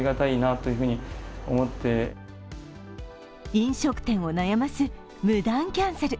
飲食店を悩ます無断キャンセル。